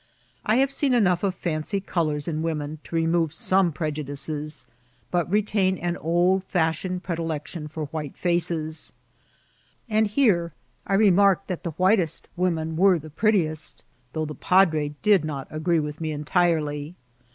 I have seen enough of fancy colours in women to remove some prejudices, but retain an oldfashioned predilection for white faces; and here I remarked that the whitest women were the prettiest, though the padre did not agree with me entirely.